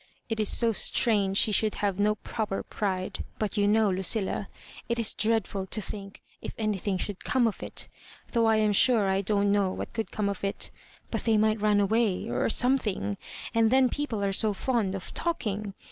It is so strange she should have no proper pride I but you know, Lucilla, it is dread ful to think if anything should come of it I though I am sure I don't know what could come of it ; but they might run away, or something; and tlien people are so fond of talking.